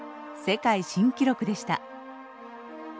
世界新記録でした。